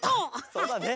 そうだね。